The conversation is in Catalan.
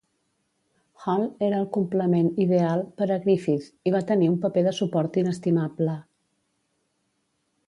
Hall era "el complement ideal" per a Griffith i va tenir un paper de suport inestimable.